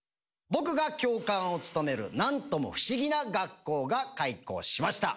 僕が教官を務めるなんとも不思議な学校が開校しました。